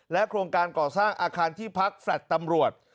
โครงการก่อสร้างอาคารที่พักแฟลต์ตำรวจ